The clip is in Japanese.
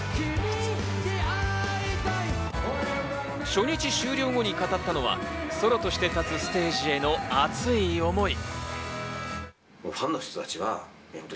初日終了後に語ったのはソロとして立つ、ステージへの熱い思い。